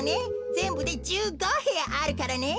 ぜんぶで１５へやあるからね。